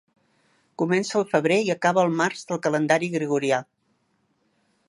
Comença el febrer i acaba el març del calendari gregorià.